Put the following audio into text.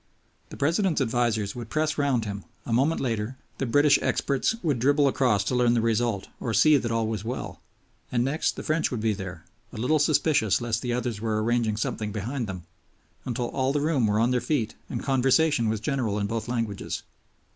The President's advisers would press round him, a moment later the British experts would dribble across to learn the result or see that all was well, and next the French would be there, a little suspicious lest the others were arranging something behind them, until all the room were on their feet and conversation was general in both languages.